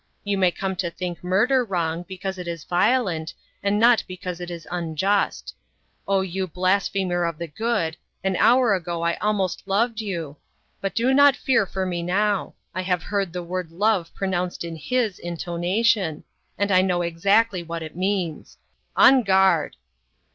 You may come to think murder wrong, because it is violent, and not because it is unjust. Oh, you blasphemer of the good, an hour ago I almost loved you! But do not fear for me now. I have heard the word Love pronounced in his intonation; and I know exactly what it means. On guard!'"